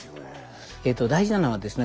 大事なのはですね